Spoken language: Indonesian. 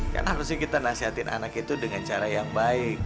karena harusnya kita nasihatin anak itu dengan cara yang baik